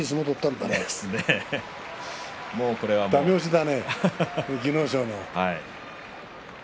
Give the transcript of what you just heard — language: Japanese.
だめ押しだね、技能賞の。